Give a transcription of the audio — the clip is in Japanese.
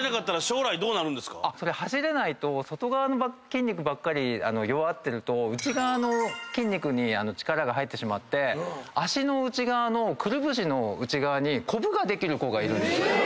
走れないと外側の筋肉ばっかり弱ってると内側の筋肉に力が入ってしまって足の内側のくるぶしの内側にコブができる子がいるんですよ。